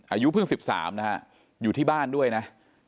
อายุเพิ่ง๑๓นะฮะอยู่ที่บ้านด้วยนะ